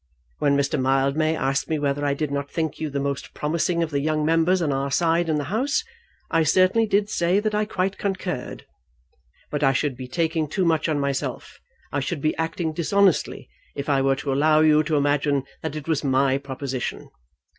When Mr. Mildmay asked me whether I did not think you the most promising of the young members on our side in your House, I certainly did say that I quite concurred. But I should be taking too much on myself, I should be acting dishonestly, if I were to allow you to imagine that it was my proposition.